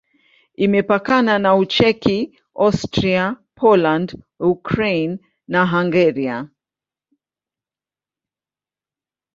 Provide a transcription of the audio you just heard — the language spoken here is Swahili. Imepakana na Ucheki, Austria, Poland, Ukraine na Hungaria.